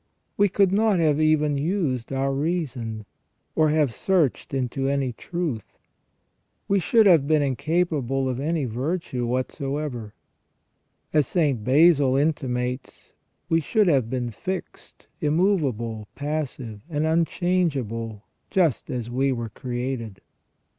We could not have even used our reason, or have searched into any truth. We should have been incapable of any virtue whatsoever. As St. Basil intimates, we should have been fixed, immovable, passive, and unchangeable, just as we were created.